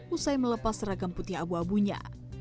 usai melepas seragam putih abu abunya